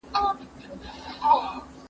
که وخت وي، بوټونه پاکوم!؟